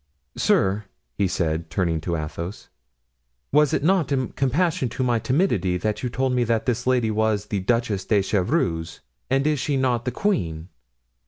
"Sir," he said, turning to Athos, "was it not in compassion to my timidity that you told me that this lady was the Duchess de Chevreuse, and is she not the queen?"